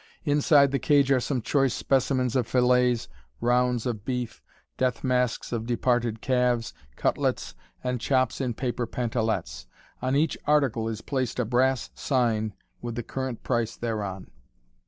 Inside the cage are some choice specimens of filets, rounds of beef, death masks of departed calves, cutlets, and chops in paper pantalettes. On each article is placed a brass sign with the current price thereon.